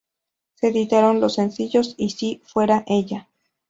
Se editaron los sencillos, "Y, ¿si fuera ella?